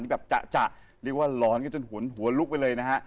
แบบจะเรียกว่าหลอนกันจนหนหัวลุกไปเลยนะฮะ